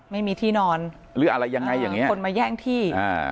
ไม่มีที่นอนคนมาแย่งที่